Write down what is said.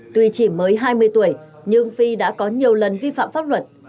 tuy chỉ mới hai mươi tuổi nhưng phi đã có nhiều lần vi phạm pháp luật